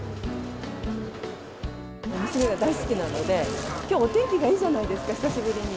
娘が大好きなので、きょう、お天気がいいじゃないですか、久しぶりに。